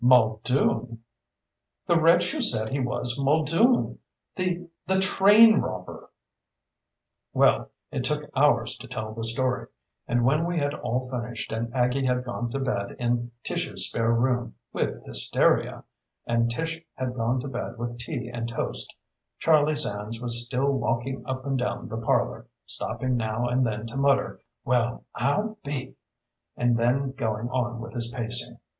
"Muldoon!" "The wretch who said he was Muldoon. The the train robber." Well, it took hours to tell the story, and when we had all finished and Aggie had gone to bed in Tish's spare room with hysteria, and Tish had gone to bed with tea and toast, Charlie Sands was still walking up and down the parlor, stopping now and then to mutter: "Well, I'll be " and then going on with his pacing.